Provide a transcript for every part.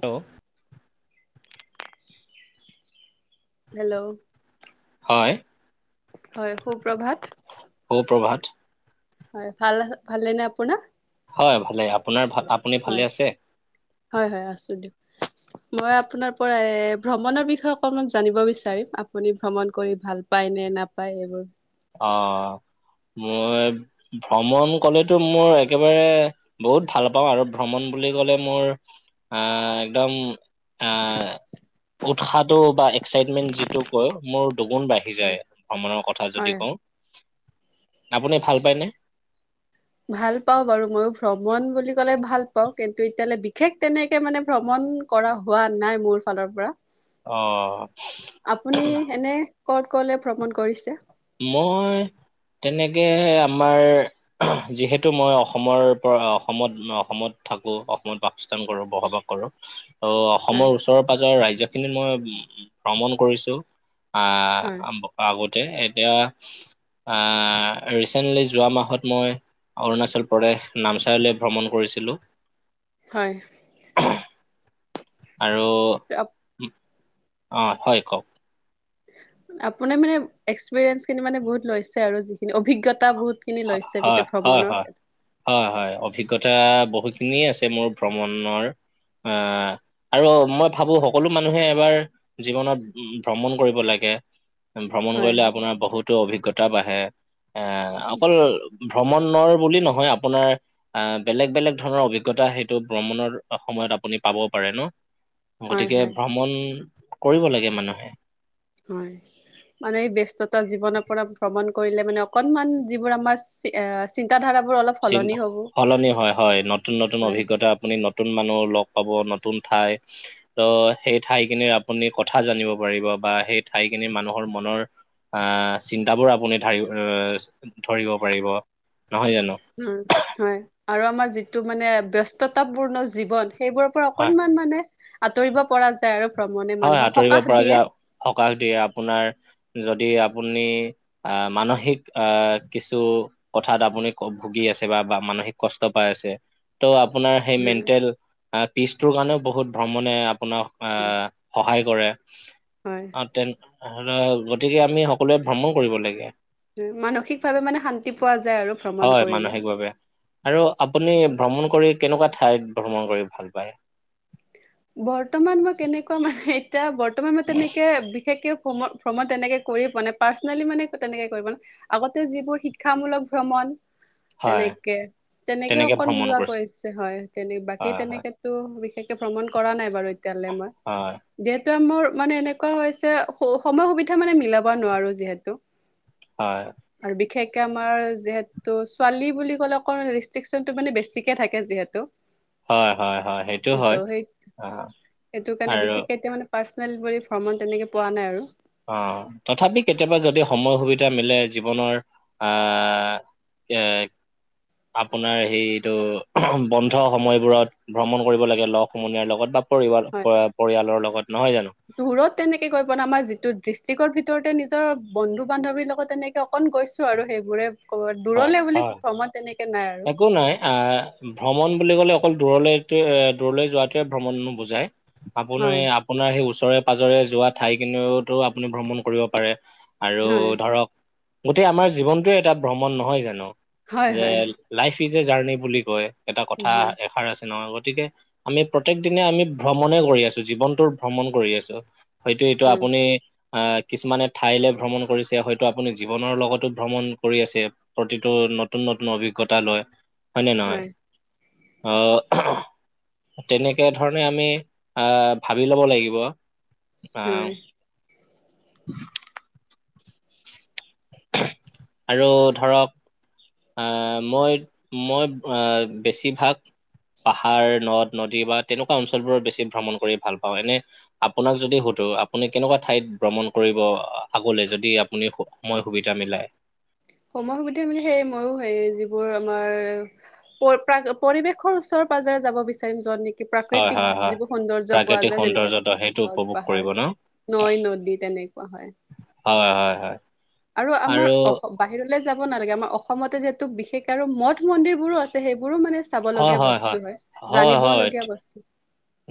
Hello hello হয়। হয় সুপ্ৰভাত সু-প্ৰভাত হয় ভাল ভালে নে আপোনাৰ? হয় ভালে আপোনাৰ ভাল আপুনি হয় ভালে আছে? হয় হয় আছো দিয়ক। মই আপোনাৰ পৰা এ ভ্ৰমণৰ বিষয়ে অকমান জানিব বিচাৰিম আপুনি ভ্ৰমণ কৰি ভাল, পায় নে নাপায় এইবোৰ অ মই ভ্ৰমণ কলেতো মোৰ একেবাৰে বহুত ভাল পাওঁ আৰু ভ্ৰমণ বুলি কলে মোৰ, আ একদম আ উৎসাহটো বা এক্সাইটমেন্ট যিটো কয় মোৰ দুগুণ বাঢ়ি যায় হয় ভ্ৰমণৰ কথা, কথা হয় যদি কওঁ আপুনি ভাল পায়নে? ভাল পাওঁ বাৰু ময়ো ভ্ৰমণ বুলি ক'লে ভাল পাওঁ কিন্তু এতিয়ালৈ বিশেষ তেনেকে মানে ভ্ৰমণ, কৰা হোৱা নাই মোৰ ফালৰ পৰা অ' আপুনি এনে ক'ত ক'লে ভ্ৰমণ কৰিছে? মই তেনেকে আমাৰ যিহেতু মই অসমৰ পৰা অসমত অসমত থাকোঁ অসমত বাসস্থান কৰোঁ বসবাস, ত হয় অসমৰ ওচৰে পাজৰে ৰাজ্যখিনিত মই ভ্ৰমণ কৰিছোঁ। আহ হয় আগতে এতিয়া আ ৰিচেণ্টলি যোৱা মাহত মই অৰুণাচল প্ৰদেশ নামচাইলৈ ভ্ৰমণ কৰিছিলোঁ। হয়। আৰু অ হয় কওক, আপোনাৰ মানে এক্সপিৰিয়েন্ঞ্চ খিনি মানে বহুত লৈছে আৰু যিখিনি অভিজ্ঞতা বহুত, খিনি লৈছে হয় পিছে হয় ভ্ৰমণৰ হয় হয় হয় অভিজ্ঞতা বহুতখিনিয়ে আছে মোৰ ভ্ৰমণৰ, অ আৰু মই ভাবো সকলো মানুহে এবাৰ জীৱনত ভ্ৰমণ কৰিব লাগে। ভ্ৰমণ হয় কৰিলে আপোনাৰ বহুতো অভিজ্ঞতা বাঢ়ে এ অকল ভ্ৰমণৰ বুলি নহয় আপোনাৰ আহ বেলেগ বেলেগ ধৰণৰ অভিজ্ঞতা সেইটো ভ্ৰমণৰ সময়ত আপুনি পাব পাৰে ন? হয় গতিকে হয় ভ্ৰমণ কৰিব লাগে মানুহে। হয়। মানে ব্যস্ততা জীৱনৰ পৰা ভ্ৰমণ কৰিলে মানে অকনমান যিবোৰ আমাৰ চিন্তা ধাৰাবোৰ অলপ, সলনি হ'ব সলনি হয়, হয় নতুন নতুন হয় অভিজ্ঞতা আপুনি নতুন মানুহ লগ পাব নতুন ঠাই ত সেই ঠাইখিনিৰ আপুনি কথা জানিব পাৰিব বা সেই ঠাইখিনি মানুহৰ মনৰ আহ চিন্তাবোৰ আপুনি ধাৰ ধৰিব পাৰিব নহয় জানো। উম হয় আৰু আমাৰ যিটো মানে ব্যস্ততাপূৰ্ণ জীৱন, সেইবোৰৰ পৰা হয় অকনমান মানে আঁতৰিব পৰা যায় আৰু ভ্ৰমণে হয় মানুহক আঁতৰিব সকাহ পৰা দিয়ে। যায় সকাহ দিয়ে আপোনাৰ যদি আপুনি- আহ মানসিক আহ কিছু- কথাত আপুনি কক ভুগি আছে বা বা মানসিক কষ্ট পাই আছে। ত' আপোনাৰ সেই হয় মেণ্টেল পিচটোৰ কাৰণেও বহুত ভ্ৰমণে আপোনাক আহ- সহায় কৰে। হয়। অঁ তেন গতিকে আমি সকলোৱে ভ্ৰমণ কৰিব লাগে। মানসিকভাৱে মানে শান্তি পোৱা যায় আৰু ভ্ৰমণ হয় কৰিলে। মানসিকভাৱে আৰু আপুনি ভ্ৰমণ কৰি কেনেকুৱা ঠাইত ভ্ৰমণ কৰি ভাল পায়? বৰ্তমান মই কেনেকুৱা মানে এতিয়া বৰ্তমান মই তেনেকে বিশেষকে- ভ্ৰমত ভ্ৰমণ তেনেকে কৰিয়ে পোৱা নাই পাৰ্চনেলি মানে তেনেকে কৰিব ন। আগতেও যিবোৰ শিক্ষামূলক ভ্ৰমণ, - হয় তেনেকে, তেনেকে অকণ যোৱা কৰিছে হয়, তেনে বাকী হয় হয় তেনেকে- টো বিশেষকে ভ্ৰমণ কৰা নাই বাৰু এতিয়ালে মই। হয়। যিহেতু মোৰ মানে এনেকুৱা হৈছে সময় সুবিধা মানে মিলাব নোৱাৰো যিহেতু। [inaudible] হয়। আৰু বিশেষকে আমাৰ যিহেতু ছোৱালী বুলি ক'লে অকণ ৰেষ্ট্ৰিকছনটো মানে বেছিকে থাকে যিহেতু। [inaudible] হয় হয় হয়, সেইটোৱে ত' হয়, সেই অঁ। সেইটো কাৰণে, বিশেষকে এতিয়া মানে পাৰ্চনেল বুলি ভ্ৰমণ তেনেকে পোৱা নাই আৰু। অঁ তথাপি কেতিয়াবা যদি সময় সুবিধা মিলে জীৱনৰ আহ- [unintelligible] আপোনাৰ সেইটো বন্ধ সময়বোৰত ভ্ৰমণ কৰিব লাগে লগ সমনীয়াৰ লগত বা- পৰিব হয় পৰিয়ালৰ লগত, নহয় জানো? দূৰত তেনেকে গৈ পোৱা নাই, আমাৰ যিটো ডিষ্ট্ৰিকৰ ভিতৰতে নিজৰ বন্ধু বান্ধৱীৰ লগত তেনেকে- অকন গৈছো আৰু সেইবোৰে ক হয় দূৰলে বুলি হয় ভ্ৰমণ তেনেকে নাই আৰু। একো নাই, আঁহ- ভ্ৰমণ বুলি ক'লে অকল দূৰলৈতে এ দূৰলৈ যোৱাটোৱে ভ্ৰমণ নোবুজাই, আপোনি হয় আ- পোনাৰ সেই ওচৰে পাজৰে যোৱা ঠাইখিনিওতো আপুনি ভ্ৰমণ কৰিব পাৰে। আৰু হয় ধৰক, গোটেই আমাৰ জীৱনটোৱে এটা ভ্ৰমণ নহয় জানো? হয় হয় যে- লাইফ ইজ এ জাৰ্ণি বুলি কয় এটা কথা হয় এষাৰ আছে নহয়, গতিকে- আমি প্ৰত্যেক দিনে আমি ভ্ৰমণে কৰি আছো, জীৱনটোৰ ভ্ৰমণ কৰি আছো। হয়টো এইটো উম আপুনি- আহ কিছুমানে ঠাইলে ভ্ৰমণ কৰিছে, হয়তো আপুনি জীৱনৰ লগতো ভ্ৰমণ কৰি আছে। প্ৰতিটো নতুন নতুন অভিজ্ঞতা লয়, হয়নে নহয়? হয় অঁ'। তেনেকে ধৰণে আমি আহ ভাবি লব লাগিব। কিয় আহ এই? আৰু ধৰক, - আ মই মই আ বেছিভাগ- পাহাৰ, নদ নদী বা তেনেকুৱা অঞ্চলবোৰত বেছি ভ্ৰমণ কৰি ভাল পাওঁ, এনেই- আপোনাক যদি সুধো আপুনি কেনেকুৱা ঠাইত ভ্ৰমণ কৰিব আগলৈ যদি আপুনি- সময় সুবিধা মিলাই। সময় সুবিধা মিলি সেই ময়ো সেই যিবোৰ আমাৰ পৰ প্ৰাক পৰিৱেশৰ ওচৰ পাজৰে যাব বিচাৰিম যত নি কি হয়, প্ৰাকৃতিক হয়, হয়। যিবোৰ সৌন্দৰ্য পোৱা প্ৰাকৃতিক যায় যেনেকে সৌন্দৰ্য্যটো সেইটো গছ উপভোগ কৰিব পাহাৰ ন? নৈ নদী তেনেকুৱা হয়। হয় হয় হয়। আৰু আমাৰ অসম বাহিৰলে যাব নালাগে আমাৰ অসমতে যিহেতু বিশেষক আৰু মঠ মন্দিৰবোৰো আছে সেইবোৰো মানে চাব লগীয়া বস্তু হয় হয়, জানিব হয়, লগীয়া তি- বস্তু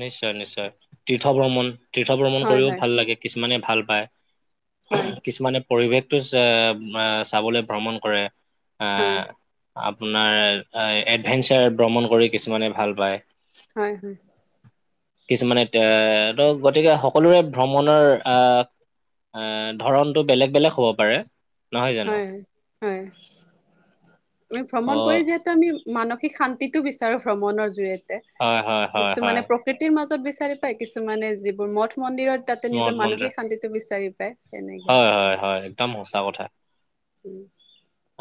নিশ্চয় নিশ্চয় তীৰ্থ ভ্ৰমণ তীৰ্থ ভ্ৰমণ হয় কৰিও হয় ভাল লাগে কিছুমানে ভাল পায় হয় কিছুমানে পৰিৱেশটো চা আ চাবলৈ ভ্ৰমণ কৰে আহ হয় আপোনাৰ আই এডভেঞ্চাৰ ভ্ৰমণ কৰি কিছুমানে ভাল পায় হয় হয় কিছুমানে তে ত গতিকে সকলোৰে ভ্ৰমণৰ আহ আ ধৰণটো বেলেগ বেলেগ হ'ব পাৰে নহয় জানো? হয় হয় আমি ভ্ৰমণ কৰি অ' যিহেট তু আমি মানসিক শান্তিটো বিচাৰো ভ্ৰমণৰ জৰিয়তে হয় হয় হয় হয় কিছুমানে প্ৰকৃতিৰ মাজত বিচাৰি পায় কিছুমানে যিবোৰ মঠ মন্দিৰত তাতে মঠ নিজৰ মন্দিৰ মানসিক শান্তিটো বিচাৰি পায় তেনেকে হয় হয় হয় একদম সঁচা কথা উম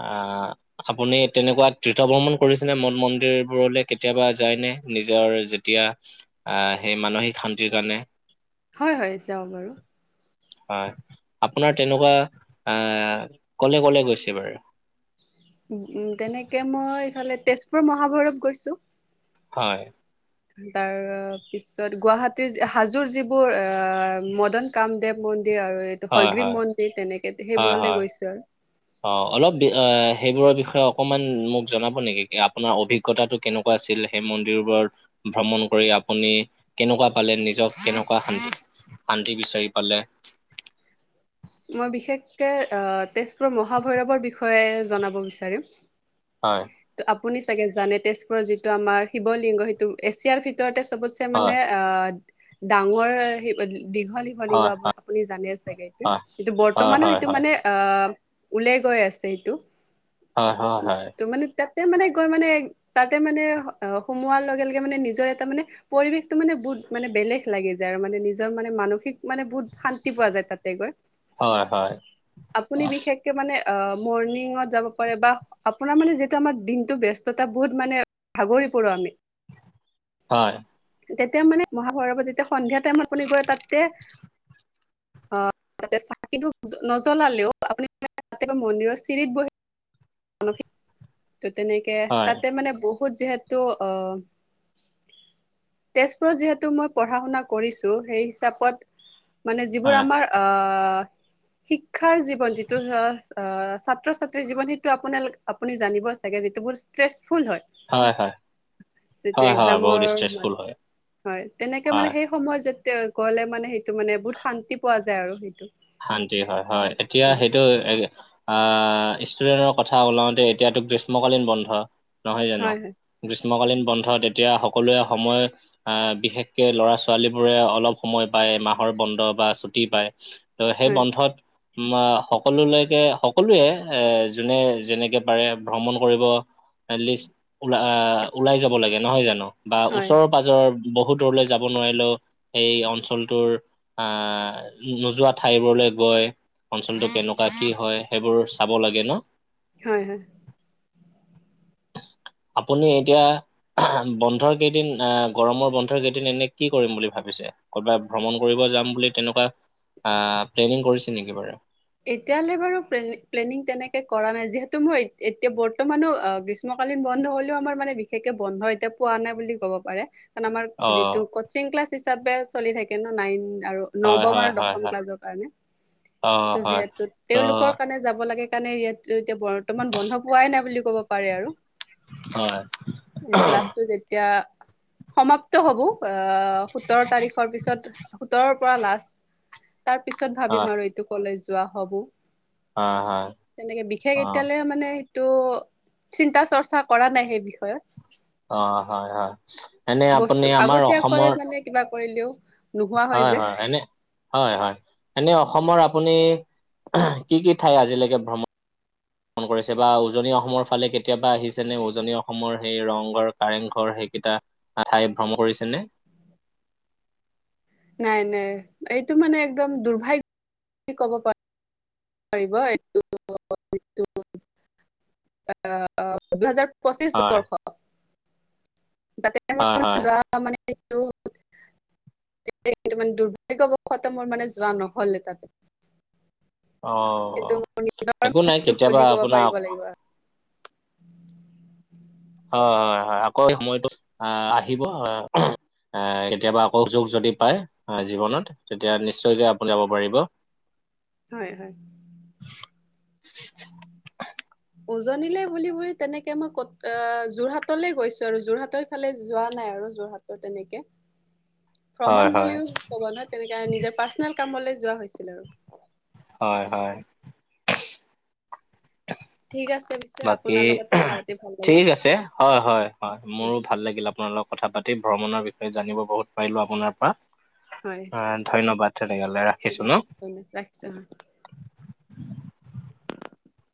আ আপুনি তেনেকোৱা তীৰ্থ ভ্ৰমণ কৰিছে নে মঠ মন্দিৰবোৰলে কেতিয়াবা যায়নে নিজৰ যেতিয়া আহ সেই মানসিক শান্তিৰ কাৰণে হয় হয় যাওঁ বাৰু হয় আপোনাৰ তেনকা আহ কলে কলে গৈছে বাৰু তেনেকে মই ইফালে তেজপুৰ মহাভৈৰৱ গৈছো হয় তাৰ পিছত গুৱাহাটীৰজ হাজোৰ যিবোৰ আহ মদন কামদেৱ মন্দিৰ আৰু এইটো হয় হয়গ্ৰীৱ হয় মন্দিৰ তেনেকে হয় সেইবোৰলৈ হয় গৈছো আৰু অ অলপ বি অ সেইবোৰৰ বিষয়ে অকমান মোক জনাব নেকি কি আপোনাৰ অভিগ জ্ঞতাটো কেনেকোৱা আছিল সেই মন্দিৰবোৰত ভ্ৰমণ কৰি আপুনি কেনুকোৱা পালে নিজক কেনেকোৱা শান শান্তি বিচাৰি পালে মই বিশেষকে অ তেছপুৰ মহাভৈৰৱৰ বিষয়ে জনাব বিচাৰিম হয় ত' আপুনি চাগে জানে তেজপুৰৰ যিটো আমাৰ শিৱ লিংগ সেইটো এছিয়াৰ ভিতৰতে চবত ছে হয় মানে অ ডাঙৰ শিৱ দীঘল শিৱলিংগ হয় আপুনি জানে চাগে এইটো সেইটো হয় বৰ্তমানো হয় হয় সেইটো মানে আহ ওলাই গৈ আছে সেইটো হয় হ হয় টো মানে তাতে মানে গৈ মানে তাতে মানে হ সোমোৱাৰ লগে লগে মানে নিজৰ এটা মানে পৰিৱেশটো মানে বহুত মানে বেলেগ লাগি যায় আৰু মানে নিজৰ মানে মানসিক মানে বহুত শান্তি পোৱা যায় তাতে গৈ হয় হয় আপুনি বিশেষ কে মানে অ মৰ্ণিঙত যাব পাৰে বা আপোনাৰ মানে যিহেতু আমাৰ দিনতোৰ ব্যস্ততা বহুত মানে ভাগৰি পৰো আমি হয় তেতিয়া মানে মহাভৈৰৱ পৰা যেতিয়া সন্ধিয়া টাইমত আপুনি গৈ তাতে অ তাতে চাকিটো নজ্বলালেও আপুনি তাতে মন্দিৰৰ চিৰিত বহি মানসিক ত তেনেকে হয় তাতে মানে বহুত যিহেতু অ তেজপুৰত যিহেতু মই পঢ়া শুনা কৰিছো সেই হিচাপত মানে যিবোৰ আমাৰ আ শিক্ষাৰ জীৱন যিটো ধৰ আ ছাত্ৰ ছাত্ৰীৰ জীৱন সেই সেইটো আপোনালোক আপুনি জানিব চাগে যিটো ষ্ট্ৰেচফুল হয় যিটো হয় হয় একজামৰ বহুত ষ্ট্ৰেছফুল হয় মাজত হয় তেনেকে হয় মানে সেই সময়ত যাতে গ'লে মানে সেইটো মানে বহুত শান্তি পোৱা যায় আৰু সেইটো শান্তি হয় হয় এতিয়া হয় সেইটো এ আহ ষ্টুডেণ্টৰ কথা ওলাওতে এতিয়াতো গ্ৰীষ্মকালীন বন্ধ, নহয় জানো হয় গ্ৰীষ্মকালীন বন্ধত এতিয়া সকলোৱে সময় আহ বিশেষকে ল'ৰা-ছোৱালী বোৰে অলপ সময় পায়, মাহৰ বন্ধ বা ছুটি পায় ত সেই হয় বন্ধত উম আ সকলোলৈকে সকলোৱে এ যোনে যেনেকে পাৰে ভ্ৰমণ কৰিব এটলিষ্ট ওলা আ ওলাই যাব লাগে নহয় জানো বা হয় ওচৰৰ পাজৰৰ বহু দূৰলৈ যাব নোৱাৰিলেও এই অঞ্চলটোৰ আহ নো নোযোৱাত ঠাইবোৰলে গৈ অঞ্চলটো কেনেকুৱা কি হয়, সেইবোৰ চাব লাগে ন হয় হয়, আপুনি এতিয়া আহ বন্ধৰ কেইদিন আ গৰমৰ বন্ধৰ কেইদিন এনে কি কৰিম বুলি ভাবিছে কৰ'বাত ভ্ৰমণ কৰিব যাম বুলি তেনেকুৱা আহ প্লেনিং কৰিছে নেকি বাৰু এতিয়ালে বাৰু প্লে প্লেনিং তেনেকে কৰা নাই যিহেতু মই এতিয়া বৰ্তমানো আ গ্ৰীষ্মকালীন বন্ধ হ'লেও আমাৰ মানে বিশেষকে বন্ধ এতিয়া পোৱা নাই বুলি ক'ব পাৰে কাৰণ আমাৰ অ যিটো কচিং ক্লাছ হিচাপে চলি থাকে ন, নাইন আৰু হয় নৱম হয় আৰু হয় দশম হয় ক্লাছৰ কাৰণে অ ত' হয় যিহেতু ত তেওঁলোকৰ কাৰণে যাব লাগে কাৰণে ইয়াত এতিয়া ব বৰ্তমান বন্ধ পোৱা নাই বুলি কব পাৰে আৰু, হয় হয় ক্লাছটো এতিয়া সমাপ্ত হ'ব, আহ সোতৰ তাৰিখৰ পিছত সোতৰৰ পৰা লাষ্ট, তাৰ পিছত ভাবিম আৰু এইটো কলে যোৱা হ'ব। হয় হয় তেনেকে বিশেষ অ এতিয়ালে মানে এইটো চিন্তা চৰ্চা কৰা নাই সেই বিষয়ত অ হয় হয়, এনে আপুনি বস্তু আমাৰ আগতীয়াকৈ অসমৰ মানে কিবা কৰিলেও নোহোৱা হয় যে। হয় এনে হয় হয়, এনে অসমৰ আপুনি এহ কি কি ঠাই আজিলৈকে ভ্ৰমণ ভ্ৰমণ কৰিছে বা উজনি অসমৰ ফালে কেতিয়াবা আহিছেনে উজনি অসমৰ সেই ৰংঘৰ, কাৰেংঘৰ সেইকেইটা, ঠাই ভ্ৰমণ কৰিছে নে নাই নাই এইটো মানে একদম দুৰ্ভাগ্য বুলি ক'ব পাৰা পাৰিব এইটো [unintelligible] হয় হয় অ দুহেজাৰ পঁচিছ হয় বৰ্ষ, তাতে হয় মোৰ হয় যোৱা মানে এইটো, যিহেতু মানে দুৰ্ভাগ্যবশত মোৰ মানে যোৱা নহ'লে তাতে। অ সেইটো মোৰ নিজৰ একো নাই দুখ কেতিয়াবা বুলি ক'ব আপোনাৰ পাৰিব লাগিব আৰু হয় হয় হয়, আকৌ এই সময়টো আহ আহিব আহ কেতিয়াবা আকৌ সোযোগ যদি পায় জীৱনত, তেতিয়া নিশ্চয়কে আপুনি যাব পাৰিব। হয়, হয়। উজনিলে বুলি বুলি তেনেকে মই ক'ত যোৰহাটলৈ গৈছোঁ আৰু যোৰহাটৰ ফালে যোৱা নাই আৰু যোৰহাটৰ তেনেকে। হয় ভ্ৰমণ হয় বুলিও ক'ব নহয়, তেনেকে নিজৰ পাৰ্চনেল কামলৈ যোৱা হৈছিল আৰু। হয় হয়। ঠিক আছে। পিছে বাকী, আপোনাৰ লগত কথা পাতি ভাল ঠিক লাগিল আছে। হয় হয় হয় মোৰো ভাল লাগিল আপোনাৰ লগত কথা পাতি, ভ্ৰমণৰ বিষয়ে জানিব বহুত পাৰিলোঁ আপোনাৰ পৰা। হয় অ ধন্যবাদ তেনেহলে, ৰাখিছো ঠিক ন? [inaudible] [inaudible]